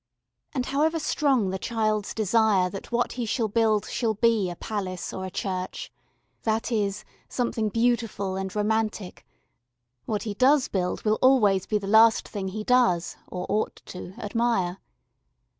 And however strong the child's desire that what he shall build shall be a palace or a church, that is, something beautiful and romantic, what he does build will always be the last thing he does, or ought to, admire.